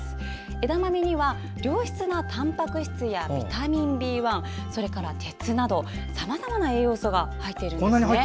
枝豆には良質なたんぱく質やビタミンＢ１、そして鉄などさまざまな栄養素が入っています。